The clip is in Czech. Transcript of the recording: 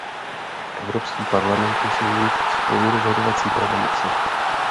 Evropský parlament musí mít spolurozhodovací pravomoci.